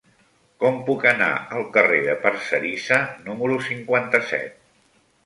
Com puc anar al carrer de Parcerisa número cinquanta-set?